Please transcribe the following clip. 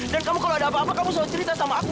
dan kamu kalau ada apa apa kamu selalu cerita sama aku